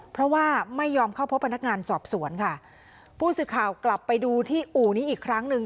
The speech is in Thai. เพราะว่าไม่ยอมเข้าพบพนักงานสอบสวนค่ะผู้สื่อข่าวกลับไปดูที่อู่นี้อีกครั้งหนึ่ง